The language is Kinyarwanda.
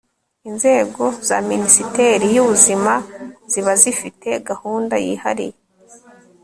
inzego zaminisiteri y ubuzimaa ziba zifitee gahunda yihariye